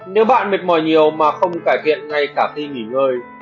nếu bạn mệt mỏi nhiều mà không cải thiện ngay cả khi nghỉ ngơi